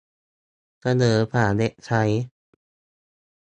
เสนอผ่านเว็บไซต์